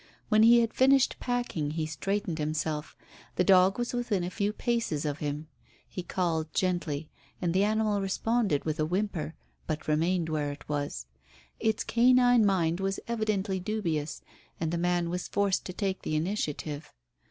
When he had finished packing he straightened himself; the dog was within a few paces of him. He called gently, and the animal responded with a whimper, but remained where it was. Its canine mind was evidently dubious, and the man was forced to take the initiative.